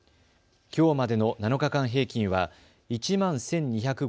きょうまでの７日間平均は１万１２５９．９